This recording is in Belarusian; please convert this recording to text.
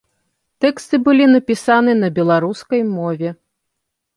Тэксты былі напісаны на беларускай мове.